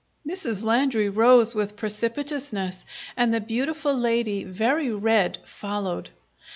Mrs. Landry rose with precipitousness, and the beautiful lady, very red, followed.